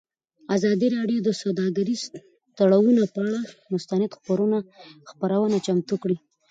ازادي راډیو د سوداګریز تړونونه پر اړه مستند خپرونه چمتو کړې.